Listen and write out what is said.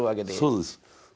そうです。